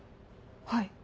はい。